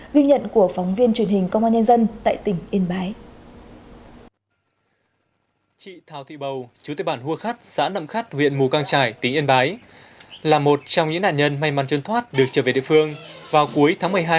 ghi nhận của phóng viên truyền hình công an nhân dân tại tỉnh yên bái